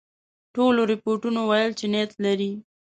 ټولو رپوټونو ویل چې نیت لري.